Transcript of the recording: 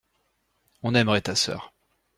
On aimerait ta sœur.